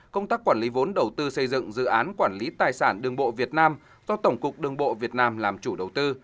công tác quản lý vốn đầu tư xây dựng dự án quản lý tài sản đường bộ việt nam do tổng cục đường bộ việt nam làm chủ đầu tư